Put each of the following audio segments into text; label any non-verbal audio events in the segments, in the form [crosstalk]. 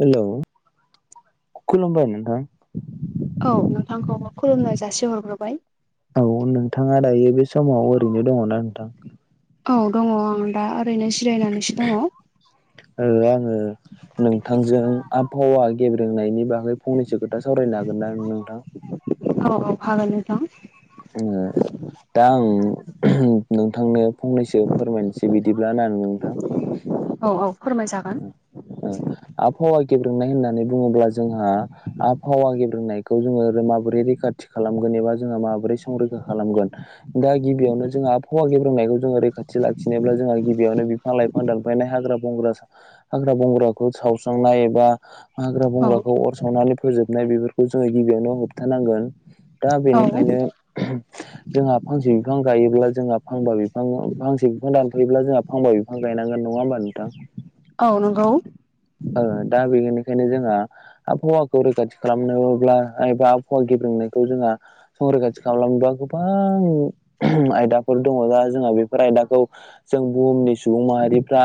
Hello खुलुमबाय नोंथां। औ नोंथांखौ खुलुमनाय जासि हरग्रोबाय। औ नोंथाङा दायो बे समाव ओरैनो दङना नोंथां? औ दङ आं दा ओरैनो जिरायनानैसो दङ। ओ आङो नोंथांजों आबहावा गेब्रेंनायनि बागै फंनैसो खोथा सावरायनो हागोन ना नोंथां? औ औ हागोन नोंथां। जोङो दा आं नोंथांनो फंनैसो फोरमायनोसै बिदि [unintelligible] नोंथां औ औ फोरमायजागोन। ओ आबहावा गेब्रोंनाय होननानै बुङोब्ला जोंहा आबहावा गेब्रोंनायखौ जोङो माबोरै रैखाथि खालामगोन एबा जोंहा माबोरै संरैखा खालामगोन? दा गिबियावनो जोंहा फवा गेब्रोंनायखौ जोङो रैखाथि लाखिनोब्ला जोंहा गिबियावनो बिफां लाइ फां दानफायना हाग्रा बंग्रा हाग्रा बंग्राखौ सावस्रांनाय एबा हाग्रा औ बंग्राखौ अर सावनानै फोजोबनाय बेफोरखौ जोङो गिबियावनो होबथानांगोन। दा औ बेनिखायनो जोंहा फांसे बिफां गायोब्ला जोंहा फांबा बिफां फांसे बिफां दानफायोब्ला जोंहा फां बा बिफां गायनांगोन नङा होमबा नोंथां? औ नंगौ। औ दा बेनिखायनो जोंहा आबहावाखौ रैखाथि खालामनोब्ला ओ आबहावा गेब्रंनायखौ जोंहा संरैखाथि खालामलांबा गोबां आयदाफोर दङ दा जोंहा बेफोर आयदाखौ जों बुहुमनि सुबुं माहारिफ्रा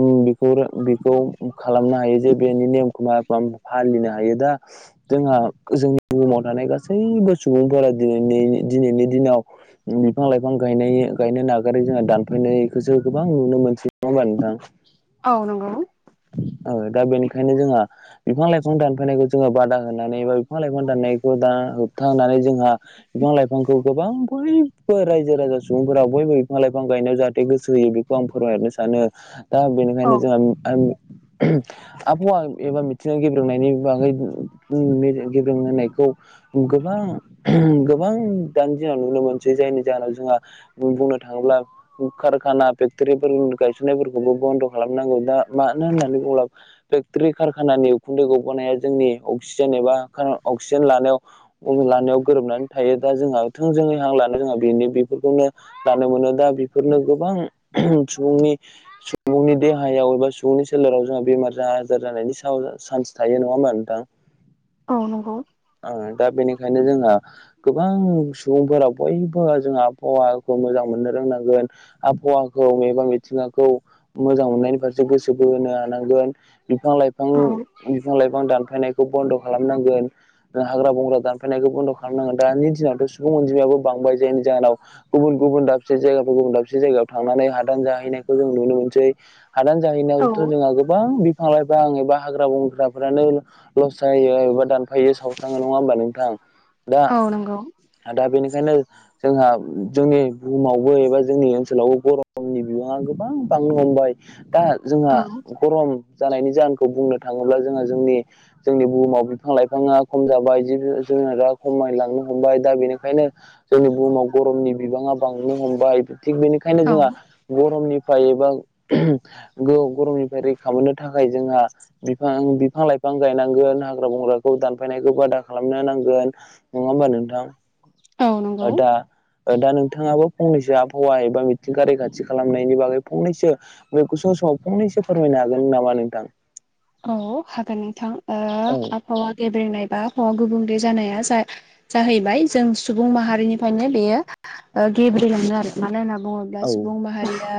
उम बेफोर बेखौ खालामनो हायो जे बेनि नेमखौ मा फालिनो हायो दा जोंहा जोंनि बुहुमाव थानाय गासैबो सुबुंफोरा दिनै दि दिनैनि दिनाव बिफां लाइफां गायनाय गायनो नागारै जोंहा दानफैनायखौसो गोबां नुनो मोनसिनांगोन नोंथां? [inaudible] औ नंगौ। औ दा बेनिखायनो जोंहा बिफां लाइफां दानफायनायखौ जोंङो बादा होनानै बा बिफां लाइफां दाननायखौ दा होबथनानै जोंहा बिफां लाइफांखौ गोबां बयबो रायजो राजा सुबुंफोरा बयबो बिफां लाइफां गायनायाव जाहाथे गोसो होयो बे खौ आं फोरमायनो सानो दा औ बेनिखायनो जोंहा [unintelligible] आबहावा एबा मिथिङाव गेब्रेंनायनि बागै उम गेब्रें होनायखौ गोबां गोबां दानि दिनाव नुनो मोनसै जायनि जाहोनाव जोंहा जों बुंनो थाङोब्ला कारखाना फेक्टरिफोर गायसननाय फोरखौबो बन्द खालामनांगौ दा मानो होननानै अब्ला फेक्ट्रि कारखानानि उखुन्दै गबोनाया जोंनि अक्सिजेन एबा अक्सिजेन लानायाव लानायाव गोरोबनानै थायो दा जोंहा थोंजोङै हां लानो जोंहा बेनो बेफोरखौनो दानो मोनो दा बेफोरनो गोबां सुबुंनि सुबुंनि देहायाव एबा सुबुंनि सोलेराव जोंहा बेमार आजार जानायनि चान्स थायो नङा होमबा नोंथां? औ नंगौ। दा बेनिखायनो जोंहा गोबां सुबुंफोरा बयबो जोंहा आबहावाखौ मोजां मोननो रोंनांगोन। आबहावाखौ एबा मिथिंगाखौ मोजां मोननायनि फारसे गोसो बोहोनो हानांगोन बिफां-लाइ औ बिफां बिफां-लाइफां दानफायनायखौ बन्द' खालामनांगोन। हाग्रा बंग्रा दानफायनायखौ बन्द' खालामनांगोन दानि दिनावथ' सुबुं अनजिमायाबो बांबाय जायनि जाहोनाव गुबुन गुबुन दाबसे जायगाफोर गुबुन दाबसे जायगायाव थांनानै हादान जाहैनायखौ जों नुनो मोनसै। हादान औ जाहैनायावथ' जोंहा गोबां बि बिफां लाइफां एबा हाग्रा बंग्राफोरानो लस जायो एबा दानफायो साव नोंथां नङा होमबा नोंथां दा औ नंगौ दा बेनिखायनो जोंहा जोंनि बुहुमावबो एबा जोंनि ओनसोलावबो गरमनि बिबाङा गोबां बांनो हमबाय दा जोंहा औ गरम जानायनि जाहोनखौ बुंनो थाङोब्ला जोंहा जोंनि जोंनि बुहुमाव बिफां लाइफाङा खम जाबाय जिब जुनारा खमायलांनो हमबाय दा बेनिखायनो जोंनि बुहुमाव गरमनि बिबाङा बांनो हमबाय थिग बेनिखायनो औ जोंहा औ गरमनिफ्राय एबा गरमनिफ्राय रैखा मोननो थाखाय जोंहा बिफां बिफां-लाइफां गायनांगोन हाग्रा बंग्राखौ दान फायनायखौबो बादा खालामनो नांगोन नङा होमबा नोंथां? नंगौ ओ औ दा दा नोंथाङाबो फंनैसो आबहावा एबा मिथिंगा रैखाथि खालामनायनि बागै फंनैसो [unintelligible] फंनैसो फोरमायनो हागोन नामा नोंथां? औ हागोन नोंथां ओ औ आबहावा गेबेंनाय बा आबहावा गुबुंले जानाया जा जाहैबाय जों सुबुं माहारिनिफ्रायनो बेयो ओ गेब्लेलाङो आरो मानो होनना बुङो ब्ला औ सुबुं माहारिया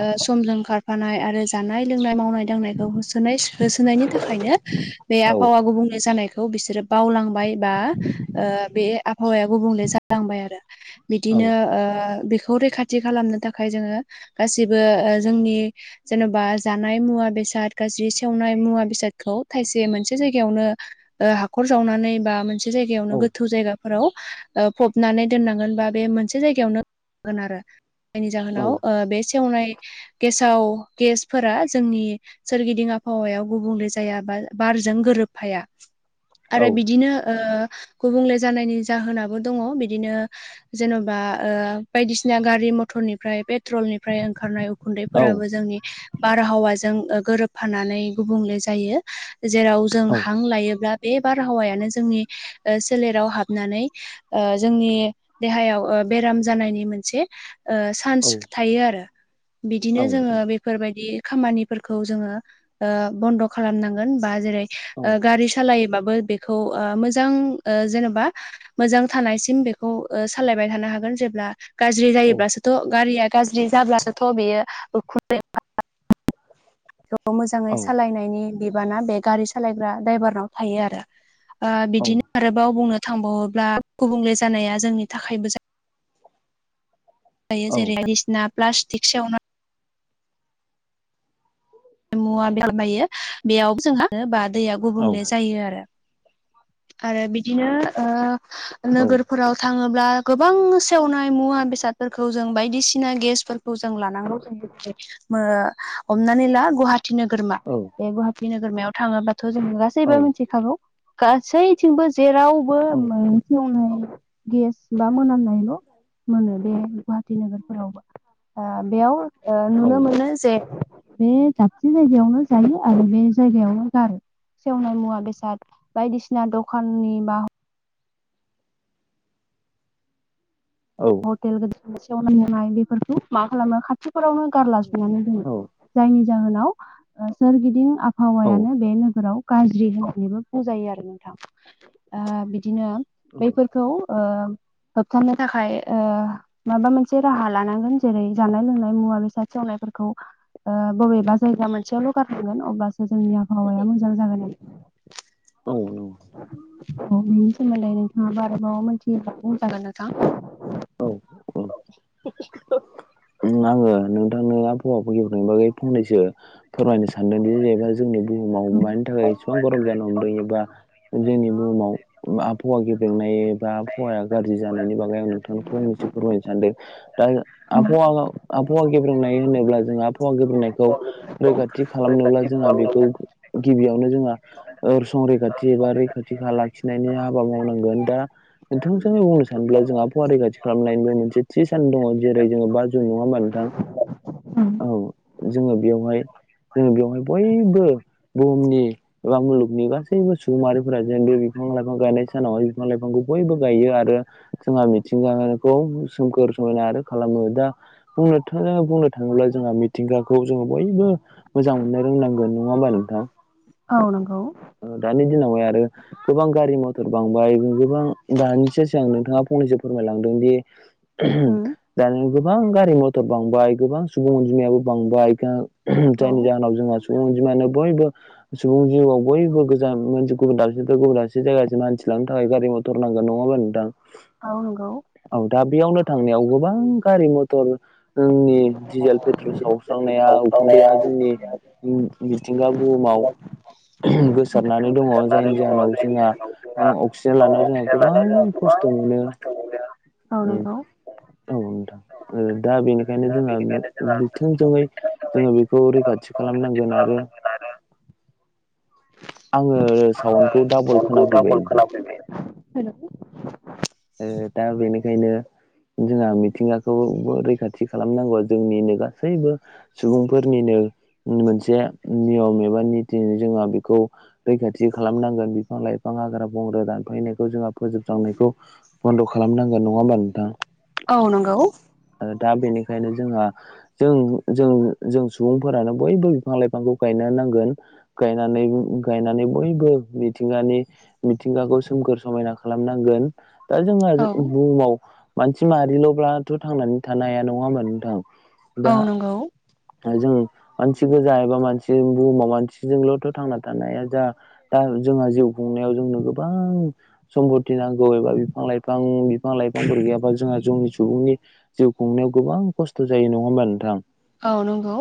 ओ सम जों खारफानाय आरो जानाय लोंनाय, मावनाय दांनाय [unintelligible] होसोनायनि थाखायनो बे औ आबहावा गुबुंले जानायखौ बिसोरो बावलांबाय। बा ओ बे आबहावाया गुबुंले जालांबाय आरो। बिदिनो ओ बेखौ रैखा थि खालामनो थाखाय जोङो गासिबो ओ जोंनि जेन'बा जानाय मुवा बेसाद गाज्रि सेवनाय मुवा बेसादखौ थायसे मोनसे जायगायावनो ओ हाखर जावनानै बा मोनसे जायगायावनो औ गोथौ जायगा फोराव ओ फबनानै दोननांगोन बा बे मोनसे जायगायावनो [inaudible] आरो। जायनि औ जाहोनाव ओ बे सेवनाय गेसाव गेसफोरा जोंनि सोरगिदिं आबहावायाव गुबुंले जाया बा बारजों गोरोबफाया। औ आरो बिदिनो ओ गुबुंले जानायनि जाहोनाबो दंङ बिदिनो जेन'बा ओ बायदिसिना गारि मथरनिफ्राय पेट्रलनिफ्राय ओंखारनाय औ उखुन्दैफोराबो जोंनि बारहावाजों गोरोबफानानै गुबुंले जायो। जेराव जों हां लायोब्ला बे बारहावायानो जोंनि ओ सोलेराव हाबनानै ओ जोंनि देहायाव बेराम जानायनि मोनसे ओ चान्स थायो आरो बिदिनो जोङो औ बेफोरबायदि खामानिफोर खौ जोङो ओ बन्द खालामनांगोन बा जै औ ओ गारि सालायबाबो बे खौ ओ मोजां ओ जेनबा मोजां थानायसिम बेखौ ओ सालायबाय थानो हागोन जेब्ला गाज्रि औ जायोब्लासोथ' गारिया गाज्रि जाब्लाथ' बेयो उखन्दै [inaudible] बेखौ मोजाङै औ सालायनायनि बिबाना बे गारि सालायग्रा द्राइभारनाव थायो आरो। ओ बिदिनो आरोबाव बुंनो थांबावोब्ला गुबुंले जानाया जोंनि थाखायबो जा [inaudible] जेरै बायदिसिना प्लास्टिक सेवना मुवा [inaudible] बेयावबो जोंहा बा दैया गुबुंले जायो आरो। आरो बिदिनो ओ नोगोरफोराव थांङोब्ला गोबां सेवनाय मुवा बेसादफोरखौ जों बायदिसिना गेसफोरखौ जों लानांगौ [inaudible] मो हमनानै ला गुवाहाटि नोगोरमा। औ बे गुवाहाटि नोगोरमायाव थाङोबाथ' जों गासैबो मिथिखागौ गा सैथिंबो जेरावबो मोनसेयावनो गेस बा मोनामनायल' मोनो बे गुवाहाटि नोगोरफोरावबो आ बेयाव नुनो मोनो जे बे जि जायगायावनो जायो आरो बे जायगायावनो गारो सेवनाय मुवा बेसाद बायदिसिना दखाननि बा औ हटेल [unintelligible] होनाय बेफोरखौ मा खालामो खाथिफोरावनो गारला सुनानै दोनङो जायनि जाहोनाव ओ सोरगिदिं आबहावायानो बे नोगोराव गाज्रि होननानैबो बुंजायो आरो नोंथां ओ बिदिनो बैफोर खौ ओ होबथानो थाखाय माबा मोनसे राहा लानांगोन जेरै जानाय लोंनाय मुवा बेसाद सेवनायफोरखौ। ओ बबेबा जायगा मोनसेयावल' गारनांगोन अब्लासो जोंनि आबहावा। [inaudible] मोजां जागोन। औ नंगौ। बेनि सोमोन्दै आरोबाव मिथियोबा बुंजागोन नोंथां। औ औ। आङो नोंथांनो आबहावा गेबेंनायनि बागै फंनैसो। फोरमायनो सानदोंदि जेनेबा जोंनि बुहुमाव मानि थाखाय एसेबां गरम जानो हमदों एबा जोंनि बुहुमाव आबहावा गेबेंनाय एबा आबहावाया गाज्रि जानायनि बागै आं नोंथांनो फंनैसो फोरमायनो सानदों दा औ आबहावा आबहावा गेब्रुंनाय होनोब्ला जों आबहावा गेब्रुंनायखौ रैखाथि खालामनोब्ला जोंहा बेखौ गिबियाव जोंहा ओ संरैखाथि एबा रैखाथिखा लाखिनायनि हाबा मावनांगोन दा जों बुंनो सानोब जोंहा आबहावा रैखाथि खालामनायनिबो मोनसे थि सान दङ जेरै जोङो बा जुन नङा होमबा नोंथां? औ जोङो बेवहाय जोङो बेवहाय बयबो बुहुमनि एबा मुलुगनि गासैबो सुबुंमाहारिफोरा जिहेथु बिफां लाइफां गायनाय सानाव बिफां लाइफांखौ बयबो गायो आरो जोंहा मिथिंगायारिखौ सोमखोर समायना आरो खालामो दा बुंनोथ बुंनो थाङोब्ला जोंहा मिथिंगाखौ जोङो बयबो। मोजां मोननो रोंनांगोन नङा होमबा नोंथां? औ नंगौ। दानि दिनावहाय आरो। गोबां गारि मथर बांबाय गोबां दानिसो सिगां नोंथाङा फंनैसो फोरमायलांदों दि उम [inaudible] दानि गोबां गारि मथर बांबाय गोबां सुबुं अनजिमायाबो बांबाय फे औ जायनि जाहोनाव जोंहा सुबुंजमायानो बयबो सुबुं जिउआव बयबो गोजान मोनसे गुबुन दाबसे गुबुन दाबसे जायगासिम मानसि लांनो थाखाय गारि मथर नांगोन नङाबा नोंथां औ नंगौ। औ दा बेयावनो थांनायाव गोबां गारि मथर जोंनि दिडिजेल पेट्रल साव सुस्रांनाया उखुन्दैया जोंनि मिथिंगा बुहुमाव गोसारनानै दङ जायनि जाहोनाव जोंहा अक्सिजेन लानायाव जोंहा गोबां खस्थ' मोनो। औ नंगौ। औ नोंथां दा बेनिखायनो जोंहा थोंजोङै जोङो बेखौ रैखाथि खालामनांगोन आरो आङो साउनखौ दाबल खोनाफैबाय हेलौ दा बेनिखायनो जोंहा मिथिंगाखौ रैखाथि खालामनांगौ जोंनिनो गासैबो सुबुंफोरनिनो मोनसे नियम एबा नित जोंहा बेखौ रैखाथि खालामनांगोन बिफां लाइफां हाग्रा बंग्रा दानफायनायखौ जोंहा फोजोबस्रांनायखौ बन्द' खालामनांगोन नङा होमबा नोंथां? औ नंगौ आरो दा बेनिखायनो जोंहा जों जों जों सुबुंफोरानो बयबो बिफां लाइफांखौ गायनो नांगोन गायनानै गायनानै बयबो मिथिंगानि। मिथिंगाखौ सोमखोर समायना खालामनांगोन दा जोंहा औ बुहुमाव। मानसि मारिल'ब्लाथ' थांनानै थानो हाया नङा होमबा नोंथां औ दा नंगौ जों मानसि गोजा एबा मानसि बुहुमाव मानसिजोंल'थ' थांना थानाया जा दा जोंहा जिउ खुंनायाव जोंनो गोबां सम्पथि नांगौ एबा बिफां लाइफां बिफां लाइफांफोर गैयाबा जोंहा जोंनि सुबुंनि जिउ खुंनायाव गोबां खस्थ' जायो नंङा होमबा नोंथां औ नंगौ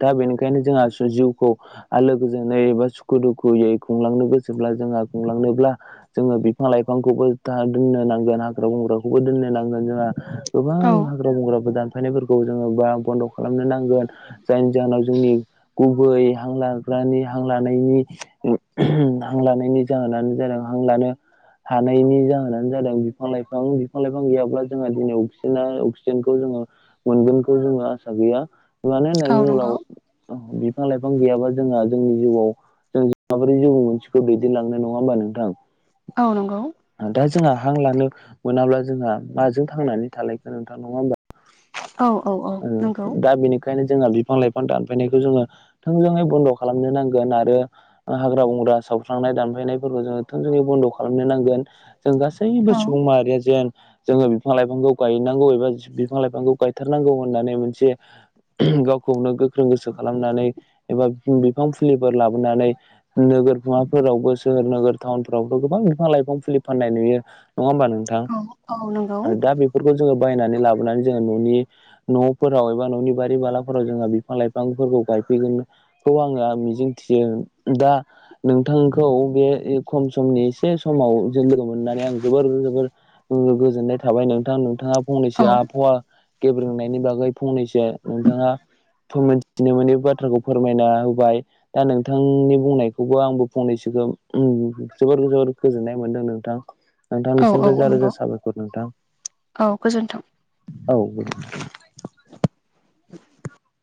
दा बेनिखायनो जोंहा जिउखौ आ लोगोजों नै एबा सुखु दुखुयै खुंलांनो गोसोब्ला जोंहा खुंलांनोब्ला जोङो बिफां लाइफांखौबो था दोननो नांगोन हाग्रा बंग्राखौबो दोननो नांगोन जोंहा गोबां औ हाग्रा बंग्राबो फायनायफोरखौ जोंङो बा बन्द' खालामनो नांगोन जायनि जाहोनाव जोंनि गुबै हां लाग्रानि हां लानायनि हां लानायनि जाहोनानो जादों हां लानो हानायनि जाहोनानो जादों बिफां लाइफां बिफां लाइफां गैयाब्ला जोंहा दिनै अक्सिजेना अक्सिजेनखौ जोङो मोनगोनखौ जोंङो आसा गैया मानो होननानै औ बुङोब्ला नंगौ बिफां लाइफां गैयाबा जोंहा जोंनि जिउआव जों माबोरै जिउ मोनसेखौ दैदेनलांनो नङा होमबा नोंथां औ नंगौ दा जोंहा हां लानो मोनाब्ला जोंहा माजों थांनानै थालायखोन नोंथां नङा होमबा औ औ औ नंगौ [inaudible] दा बेनि बेखायनो जोंहा बिफां लाइफां दानफायनायखौ जोङो थोंजोङै बन्द खालामनो नांगोन आरो हाग्रा बंग्रा सावस्रांनाय दानफायनायफोरखौ जोंङो थोंजोुङै बन्द खालामनो नांगोन। जों गासैबो औ सुबुं माहारिया जेन जोङो बिफां लाइफांखौ गायनांगौ एबा बिफां लाइफांखौ गायथारनांगौ होननानै मोनसे गावखौनो गोख्रों गोसो खालामनानै एबा बिफां फुलिफोर लाबोनानै नोगोरफोरावबो सोहोर नोगोर टाउनफोरावबो गोबां बिफां लाइफां फुलि फाननाय नुयो नङा होमबा नोंथां औ औ नंगौ आरो दा बे फोरफोरखौ जोंङो बायनानै लाबोनानै जोंङो न'नि न'फोराव एबा न'नि बारि बालाफोराव जोंहा बिफां लाइफांफोरखौ गायफैगोन खौ आंङो मिजिंथियो दा नोंथांखौ बे खम समनि एसे समाव जों लोगो मोननानै आं जोबोर जोबोर गोजोननाय थाबाय नोंथां नोंथाङा औ फंनैसो आबहावा गेब्रेंनायनि बागै फंनैसो नोंथाङा फोर मोनथिनो मोनै बाथ्राखौ फोरमायना होबाय दा नोंथांनि बुंनायखौबो आंबो फंनैसोखौ उम जोबोर जोबोर गोजोननाय मोनदों नोंथां औ नोंथांनिसिम औ रोजा रोजा नंगौ साबायखर नोंथां औ गोजोन्थों। औ